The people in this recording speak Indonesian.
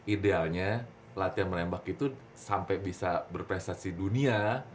idealnya latihan menembak itu sampai bisa berprestasi dunia